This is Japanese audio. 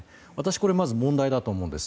これはまず問題だと思います。